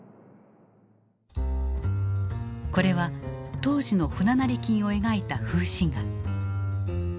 これは当時の船成金を描いた風刺画。